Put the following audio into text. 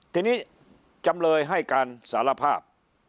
ทีนี้จำเลยให้การสารภาพ